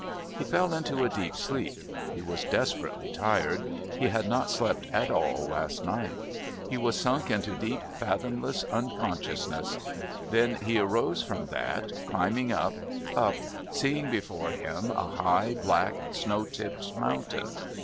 He fell into a deep sleep; he was desperately tired; he had not slept at all last night. He was sunk into deep fathomless unconsciousness. Then he rose from that, climbing up, up, seeing before him a high, black, snow tipped mountain.